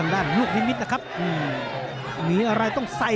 หรือว่าผู้สุดท้ายมีสิงคลอยวิทยาหมูสะพานใหม่